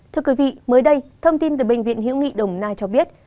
thưa quý vị mới đây thông tin từ bệnh viện hiễu nghị đồng nai cho biết